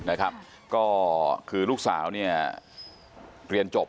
นะครับก็คือลูกสาวเนี่ยเรียนจบ